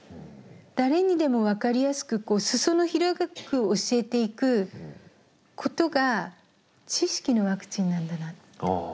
誰にでも分かりやすく裾野広く教えていくことが知識のワクチンなんだなって。